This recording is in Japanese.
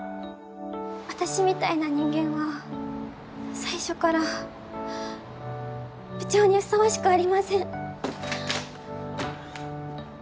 私みたいな人間は最初から部長にふさわしくありません